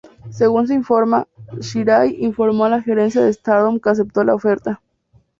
Según se informa, Shirai informó a la gerencia de Stardom que aceptó la oferta.